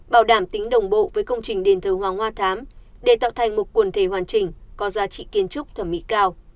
bảo đảm tính đồng bộ với công trình đền thờ hoàng hoa thám để tạo thành một quần thể hoàn chỉnh có giá trị kiến trúc thẩm mỹ cao